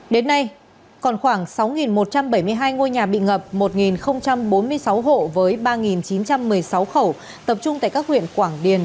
đến nay còn khoảng sáu một trăm bảy mươi hai ngôi nhà bị ngập một bốn mươi sáu hộ với ba chín trăm một mươi sáu khẩu tập trung tại các huyện quảng điền